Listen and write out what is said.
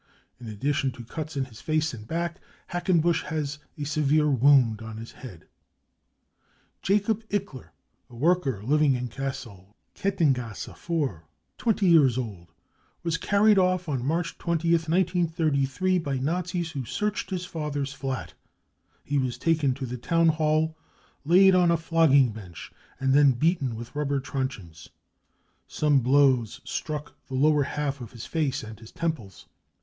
In addition to cuts in his face and back, Hackenbusch has a severe wound on his head?' 5 \ "Jacob Ickler, a worker living in Gassel, Kettengasse 20 years old, was carried off on March 20th, 1933 by fu BRUTALITY AND TORTURE 209 Nazis who searched his father's fiat. He was taken to the town hall, laid on a flogging bench, and then beaten with rubber truncheons. Some blow's struck the lower half of his face and his temples.